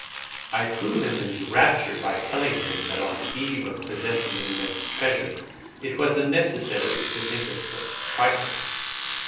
I threw him into raptures by telling him that on the eve of possessing an immense treasure, it was unnecessary to think of such trifles.